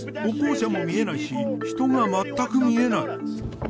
歩行者も見えないし、人が全く見えない。